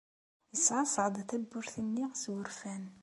Yeṣṣeɛṣeɛ-d tawwurt-nni s wurfan.